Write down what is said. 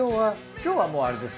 今日はもうあれです。